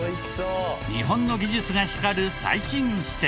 日本の技術が光る最新施設。